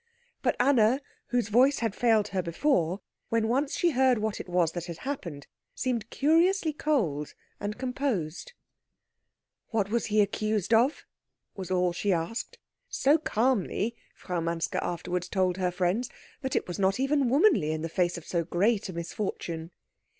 But Anna, whose voice had failed her before, when once she had heard what it was that had happened, seemed curiously cold and composed. "What was he accused of?" was all she asked; so calmly, Frau Manske afterwards told her friends, that it was not even womanly in the face of so great a misfortune.